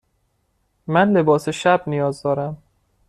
من لباس شب نیاز دارم.